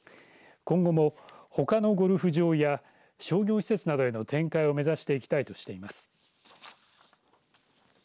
今後も他のゴルフ場や商業施設などへの展開を目指していきたいとしています。